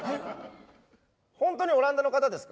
ホントにオランダの方です。